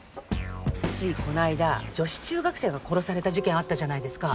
ついこないだ女子中学生が殺された事件あったじゃないですか。